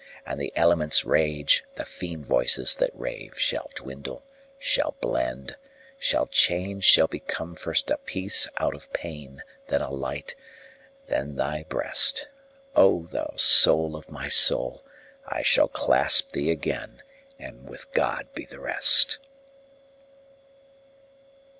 And the elements' rage, the fiend voices that rave Shall dwindle, shall blend, Shall change, shall become first a peace out of pain, Then a light, then thy breast, O thou soul of my soul! I shall clasp thee again, And with God be the rest!